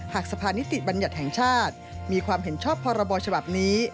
สะพานนิติบัญญัติแห่งชาติมีความเห็นชอบพรบฉบับนี้